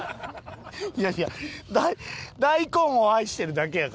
いやいや大根を愛してるだけやからな。